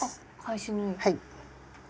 はい。